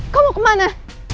kau mau kemana